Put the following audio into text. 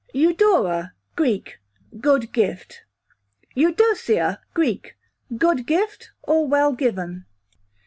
Eudora, Greek, good gift. Eudosia, Greek, good gift or well given.